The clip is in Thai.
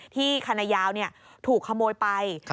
ที่คณะยาวถูกขโมยไป